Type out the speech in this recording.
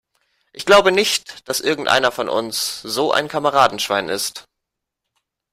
Ich glaube nicht, dass irgendeiner von uns so ein Kameradenschwein ist.